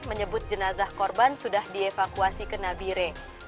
menyebut jenazah korban sudah dievakuasi ke nabire